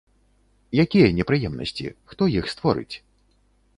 Якія непрыемнасці, хто іх створыць?